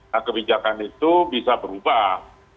nah kebijakan itu bisa berubah